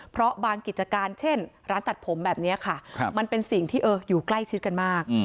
เพราะบางกิจการเช่นร้านตัดผมแบบนี้ค่ะมันเป็นสิ่งที่อยู่ใกล้ชิดกันมาก